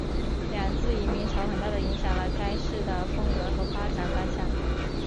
两次移民潮很大的影响了该市的风格和发展方向。